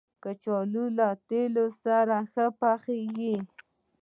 کچالو له تېلو سره ښه پخېږي